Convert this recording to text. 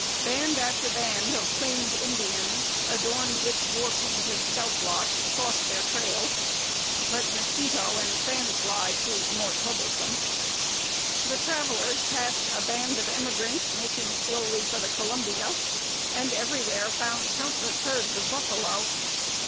Band after band of Plains Indians, adorned with war paint and scalp locks, crossed their trail, but mosquito and sand fly proved more troublesome. The travellers passed a band of emigrants making slowly for the Columbia, and everywhere found countless herds of buffalo.